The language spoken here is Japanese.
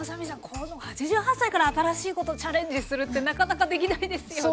この８８歳から新しいことチャレンジするってなかなかできないですよね。